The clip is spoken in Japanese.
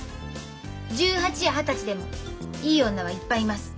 １８や二十歳でもいい女はいっぱいいます。